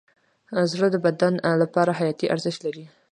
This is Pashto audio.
زړه د بدن لپاره حیاتي ارزښت لري.